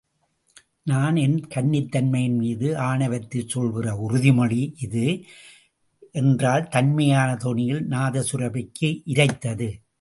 நான் என் கன்னித்தன்மையின் மீது ஆணைவைத்துச் சொல்கிற உறுதிமொழி இது!... என்றாள் தன்மையான தொனியில், நாதசுரபிக்கு இரைத்தது.